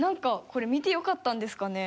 これ見てよかったんですかね？